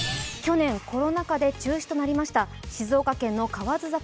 去年、コロナ禍で中止となりました静岡県の河津